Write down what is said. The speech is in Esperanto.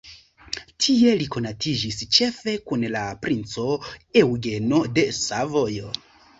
Tie li konatiĝis, ĉefe kun la princo Eŭgeno de Savojo.